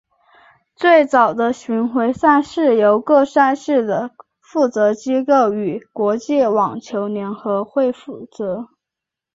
最早的巡回赛是由各赛事的负责机构与国际网球联合会负责。